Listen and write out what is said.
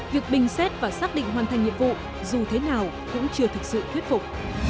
việc bình xét và xác định hoàn thành nhiệm vụ dù thế nào cũng chưa thực sự thuyết phục